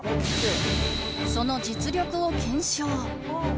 その実力を検証